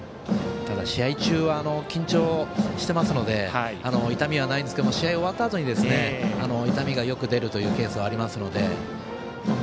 ただ、試合中は緊張してますので痛みはないんですが試合が終わったあとに痛みが出るというケースはありますので。